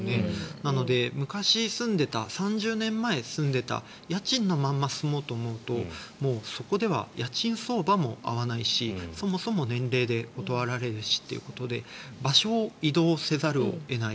なので、昔住んでいた３０年前に住んでいた家賃のまま住もうとするとそこでは家賃相場も合わないしそもそも年齢で断られるしということで場所を移動せざるを得ない。